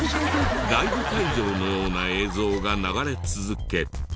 ライブ会場のような映像が流れ続け。